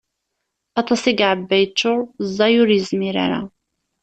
Aṭas i yeɛebba yeččur, ẓẓay ur yezmir ara.